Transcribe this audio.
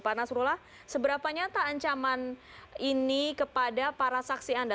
pak nasrullah seberapa nyata ancaman ini kepada para saksi anda